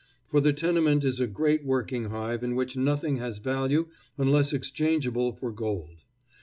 For the tenement is a great working hive in which nothing has value unless exchangeable for gold.